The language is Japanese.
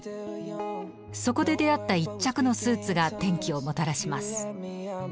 そこで出会った１着のスーツが転機をもたらします。